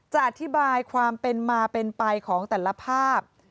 อธิบายความเป็นมาเป็นไปของแต่ละภาพ